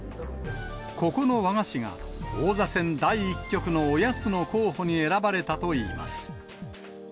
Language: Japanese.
ここの和菓子が王座戦第１局のおやつの候補に選ばれたといいます。